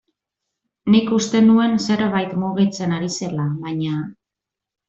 Nik uste nuen zerbait mugitzen ari zela, baina...